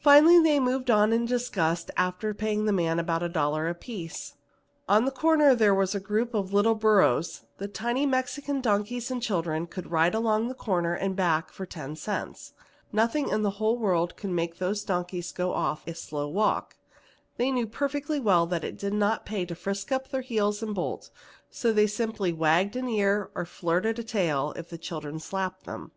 Finally they moved on in disgust, after paying the man about a dollar apiece. On a corner were a group of little burros, the tiny Mexican donkeys and children could ride along to the corner and back for ten cents. Nothing in the whole world could make those donkeys go off a slow walk. They knew perfectly well that it didn't pay to frisk up their heels and bolt, so they simply wagged an ear or flirted a tail if the children slapped them.